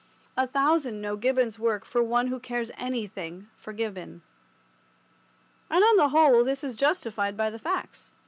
A thousand know Gibbon's work for one who cares anything for Gibbon. And on the whole this is justified by the facts.